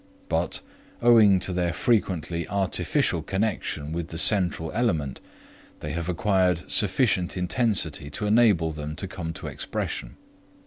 But, owing to their frequently artificial connection with the central element, they have acquired sufficient intensity to enable them to come to expression.